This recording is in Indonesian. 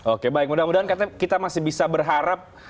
oke baik mudah mudahan kita masih bisa berharap